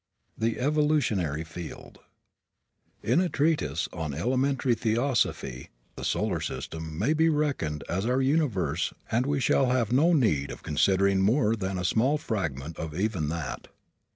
THE EVOLUTIONARY FIELD In a treatise on elementary theosophy the solar system may be reckoned as our universe and we shall have no need of considering more than a small fragment of even that.